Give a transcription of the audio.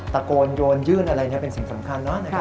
ตะโกนโยนยื่นอะไรเนี่ยเป็นสิ่งสำคัญเนอะนะคะ